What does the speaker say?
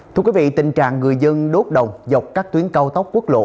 thưa quý vị tình trạng người dân đốt đồng dọc các tuyến cao tốc quốc lộ